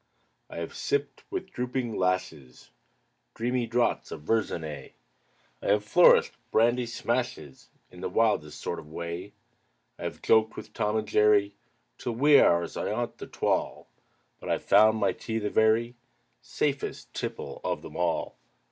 I have sipped, with drooping lashes, Dreamy draughts of Verzenay; I have flourished brandy smashes In the wildest sort of way; I have joked with "Tom and Jerry" Till wee hours ayont the twal' But I've found my tea the very Safest tipple of them all!